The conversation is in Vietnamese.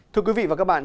thưa quý vị và các bạn